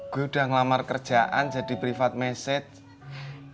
gue udah ngelamar kerjaan jadi privat message